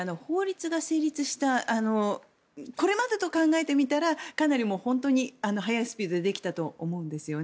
これまでと考えてみたらかなり本当に速いスピードでできたと思うんですよね。